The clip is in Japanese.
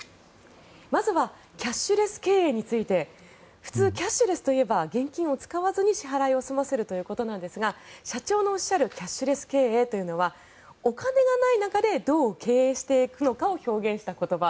まずはキャッシュレス経営について普通、キャッシュレスといえば現金を使わずに支払いを済ませるということなんですが社長のおっしゃるキャッシュレス経営というのはお金がない中でどう経営していくのかを表現した言葉